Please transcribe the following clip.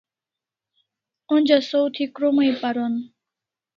Onja saw thi krom ai paron